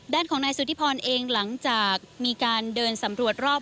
ด้านของนายสุธิพรเองหลังจากมีการเดินสำรวจรอบ